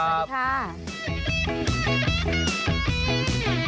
สวัสดีค่ะ